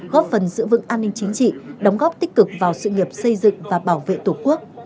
góp phần giữ vững an ninh chính trị đóng góp tích cực vào sự nghiệp xây dựng và bảo vệ tổ quốc